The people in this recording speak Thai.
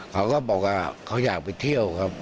เขาก็บอกว่าเขาอยากไปเที่ยวครับ